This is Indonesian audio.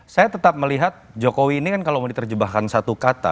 saya tetap melihat jokowi ini kan kalau mau diterjemahkan satu kata